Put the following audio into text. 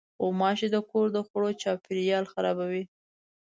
غوماشې د کور د خوړو چاپېریال خرابوي.